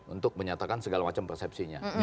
untuk menyatakan segala macam persepsinya